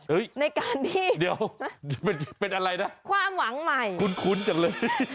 เฮ้ยเดี๋ยวเป็นอะไรนะคุ้นจังเลย